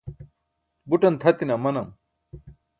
buṭan tʰatine amanam